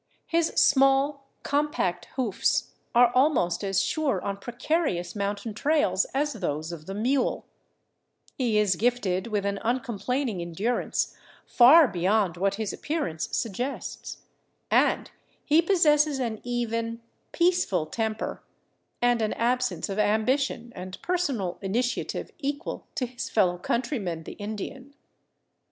His small, compact hoofs are almost as sure on precarious mountain trails as those of the mule ; he is gifted with an uncomplaining endurance far beyond what his appearance suggests; and he possesses an even, peaceful temper, and an absence of ambition and personal initiative equal to his fellow countryman, the Indian.